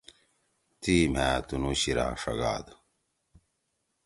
تی مھأ تُنُو شیِرا ݜگاد۔